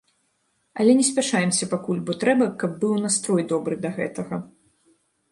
Але не спяшаемся пакуль, бо трэба, каб быў настрой добры да гэтага.